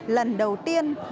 lần đầu tiên